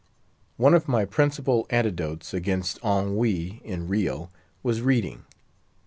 One of my principal antidotes against ennui in Rio, was reading.